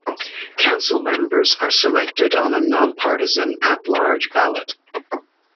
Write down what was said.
Council members are selected on a nonpartisan, at-large ballot.